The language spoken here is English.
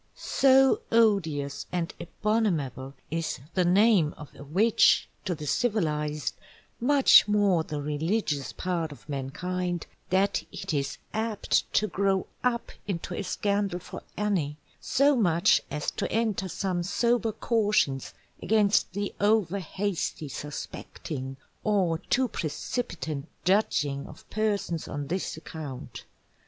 _So Odious and Abominable is the Name of a Witch, to the Civilized, much more the Religious part of Mankind, that it is apt to grow up into a Scandal for any, so much as to enter some sober cautions against the over hasty suspecting, or too precipitant Judging of Persons on this account.